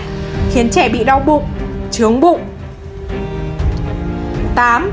khiến trẻ bị đau bụng chướng bụng